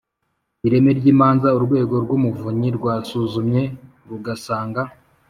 Ireme ry imanza Urwego rw Umuvunyi rwasuzumye rugasanga